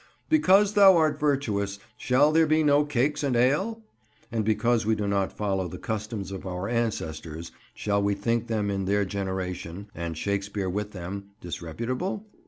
"Because thou art virtuous, shall there be no cakes and ale?" and because we do not follow the customs of our ancestors shall we think them in their generation—and Shakespeare with them—disreputable?